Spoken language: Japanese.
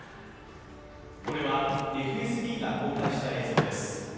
これはＦＳＢが公開した映像です。